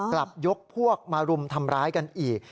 กลับยกพวกมารุมทำร้ายกันอีก